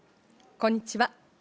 こんにちは。